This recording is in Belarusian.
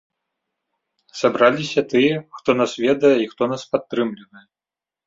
Сабраліся тыя, хто нас ведае і хто нас падтрымлівае.